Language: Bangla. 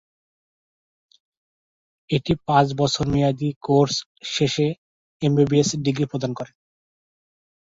এটি পাঁচ বছর মেয়াদী কোর্স শেষে এমবিবিএস ডিগ্রি প্রদান করে।